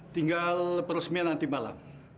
tinggal peresmian nanti malam